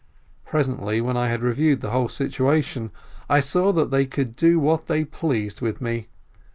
Presently, when I had reviewed the whole situation, I saw that they could do what they pleased with me.